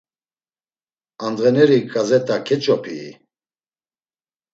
Andğaneri ǩazeta keç̌opii?